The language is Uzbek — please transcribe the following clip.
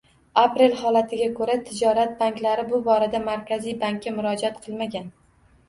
Aprel holatiga ko'ra, tijorat banklari bu borada Markaziy bankka murojaat qilmagan